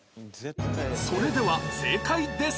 それでは正解です